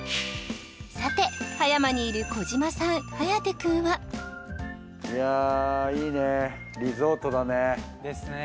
さて葉山にいる児嶋さん颯くんはいやいいねリゾートだねですね